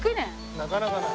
なかなかない。